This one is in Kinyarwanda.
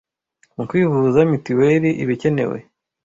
mu kwivuza mitiweli ibikenewe